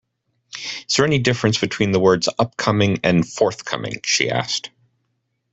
Is there any difference between the words Upcoming and forthcoming? she asked